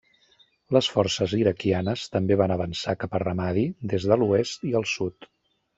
Les forces iraquianes també van avançar cap a Ramadi des de l’oest i el sud.